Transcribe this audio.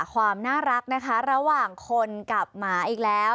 ความน่ารักนะคะระหว่างคนกับหมาอีกแล้ว